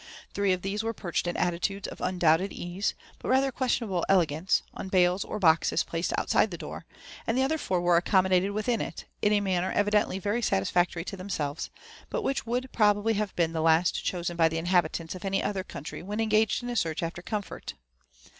Three of these were perched in attitudes of undoubted ease, but rather questionable ele . gance, on bales or boxes placed outside the door; and the other four were accommodated within it, in a manner evidently very satisfactory to themselves, but which would probably have been the last chosen by the inhabitants of any other country when engaged in a search after comfort.